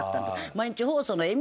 毎日放送の。